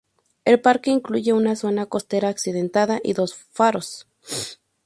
El parque incluye una zona costera accidentada y dos faros.